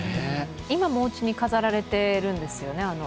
今もおうちに飾られているんですよね。